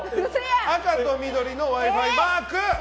赤と緑のＷｉ‐Ｆｉマーク。